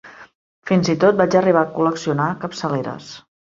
Fins i tot vaig arribar a col·leccionar capçaleres.